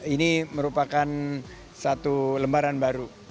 ini merupakan satu lembaran baru